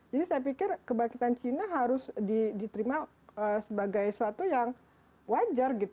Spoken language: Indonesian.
jadi saya pikir kebangkitan china harus diterima sebagai sesuatu yang wajar